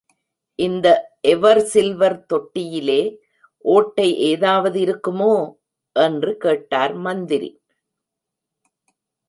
இந்த ever silver தொட்டியிலே ஓட்டை ஏதாவது இருக்குமோ? என்று கேட்டார் மந்திரி.